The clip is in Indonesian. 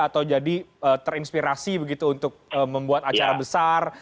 atau jadi terinspirasi begitu untuk membuat acara besar